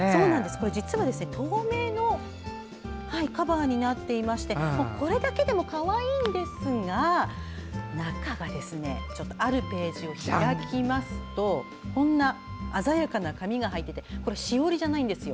これ、実は透明のカバーになっていましてこれだけでもかわいいんですがあるページを開きますとこんな鮮やかな紙が入っていてこれ、しおりじゃないんですよ。